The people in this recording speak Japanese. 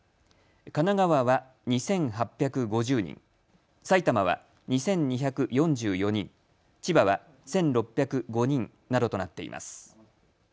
神奈川は２８５０人、埼玉は２２４４人、千葉は１６０５人などとなっています。